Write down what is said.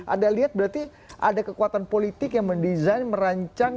anda lihat berarti ada kekuatan politik yang mendesain merancang